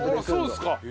そうですか。